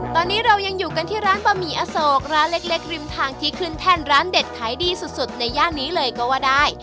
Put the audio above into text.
ตอนนี้เรายังอยู่กันที่ร้านบะหมี่อโศกร้านเล็กริมทางที่ขึ้นแท่นร้านเด็ดขายดีสุดในย่านนี้เลยก็ว่าได้